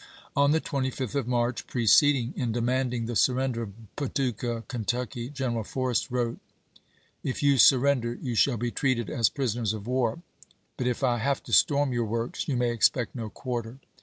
On the 25th of March preceding, in demanding the surrender of Paducah, Kentucky, General Forrest wrote :" If you sur ^" ^befiion render, you shall be treated as prisoners of war ; but if I have to storm your works, you may expect no quarter."